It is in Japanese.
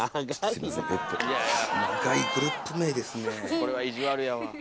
これは意地悪やわ。